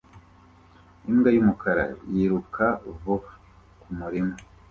Imbwa yumukara yiruka vuba kumurima